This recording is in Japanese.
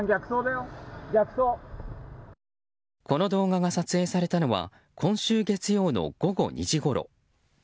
この動画が撮影されたのは今週月曜の午後２時ごろ。